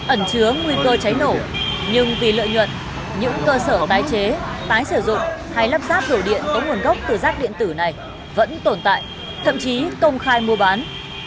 ẩn chứa nguy cơ cháy nổ nhưng vì lợi nhuận những cơ sở tái chế tái sử dụng hay lắp ráp đổ điện có nguồn gốc từ rác điện tử này vẫn tồn tại thậm chí công khai mua bán